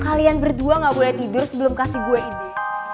kalian berdua gak boleh tidur sebelum kasih gue ide